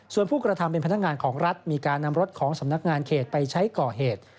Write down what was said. ส่วนผู้กระทำเป็นพนักงานของรัฐมีการนำรถของสำนักงานเขตไปใช้ก่อเหตุ